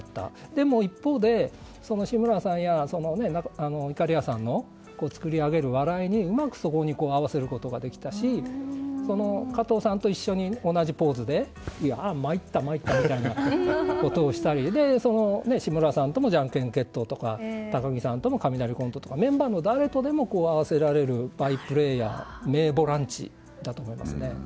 でも、一方で志村さんやいかりやさんの作り上げる笑いにうまく合わせることができたし加藤さんと一緒に同じポーズでいやあ、参った参ったみたいなことをしたり志村さんともじゃんけん決闘とか高木さんと雷コントとかメンバーの誰とも合わせられる名バイプレーヤー名ボランチだったと思います。